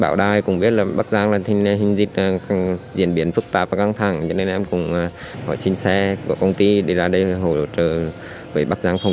các bạn hãy đăng kí cho kênh lalaschool để không bỏ lỡ những video hấp dẫn